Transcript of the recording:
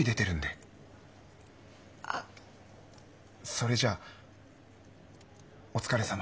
それじゃお疲れさま。